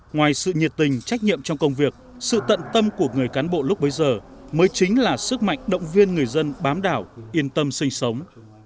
ngoài sự nhiệt tình trách nhiệm trong công việc sự tận tâm của người cán bộ lúc bấy giờ mới chính là sức mạnh động viên người dân bám đảo yên tâm sinh sống